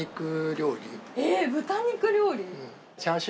えっ豚肉料理？